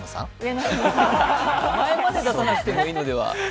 名前まで出さなくてもいいのでは？